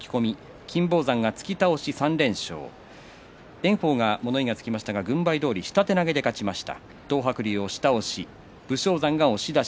炎鵬は物言いがつきましたが軍配どおり下手投げで勝ちました。